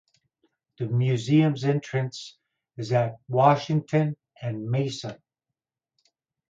The museum's entrance is at Washington and Mason.